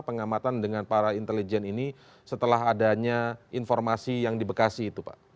pengamatan dengan para intelijen ini setelah adanya informasi yang di bekasi itu pak